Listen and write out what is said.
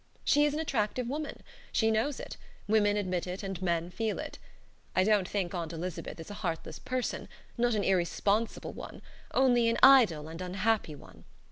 She is an attractive woman; she knows it; women admit it; and men feel it. I don't think Aunt Elizabeth is a heartless person; not an irresponsible one, only an idle and unhappy one.